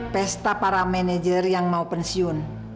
pesta para manajer yang mau pensiun